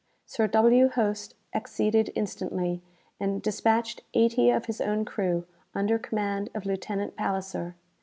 Sir W. Hoste acceded instantly, and despatched eighty of his own crew, under command of Lieutenant Palisser.